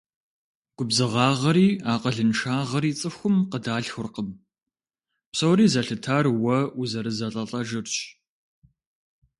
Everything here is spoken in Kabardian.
Губзыгъагъри акъылыншагъри цӀыхум къыдалъхуркъым, псори зэлъытар уэ узэрызэлӀэлӀэжырщ.